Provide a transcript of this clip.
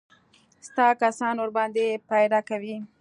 ستا کسان ورباندې پيره کوي.